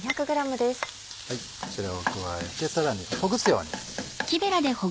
こちらを加えてさらにほぐすように。